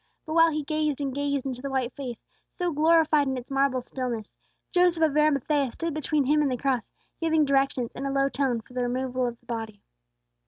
But while he gazed and gazed into the white face, so glorified in its marble stillness, Joseph of Arimathea stood between him and the cross, giving directions, in a low tone, for the removal of the body.